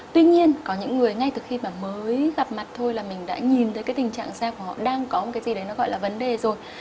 tuy nhiên có những người ngay từ khi mà mới gặp mặt thôi là mình đã nhìn thấy cái tình trạng xe của họ đang có một cái gì đấy nó gọi là vấn đề rồi